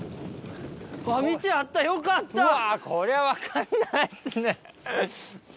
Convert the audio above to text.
うわこりゃ分かんないっすね。